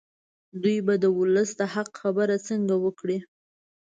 دوی به د ولس د حق خبره څنګه وکړي.